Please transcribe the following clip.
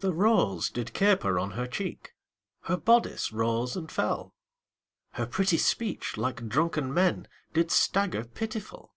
The rose did caper on her cheek, Her bodice rose and fell, Her pretty speech, like drunken men, Did stagger pitiful.